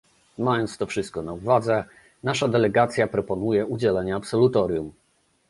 Mając to wszystko na uwadze, nasza delegacja proponuje udzielenie absolutorium